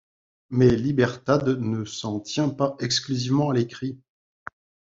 Mais Libertad ne s'en tient pas exclusivement à l'écrit.